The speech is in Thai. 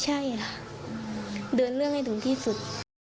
ใช่ค่ะเดินเรื่องให้ถึงที่สุด